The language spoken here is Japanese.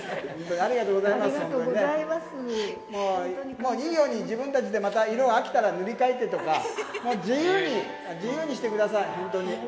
もういいように、自分たちでまた色飽きたら塗り替えてとか、自由に、自由にしてください、本当に。